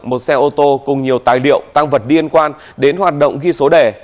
một xe ô tô cùng nhiều tài liệu tăng vật liên quan đến hoạt động ghi số đẻ